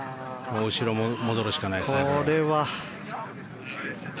後ろ、戻るしかないですね。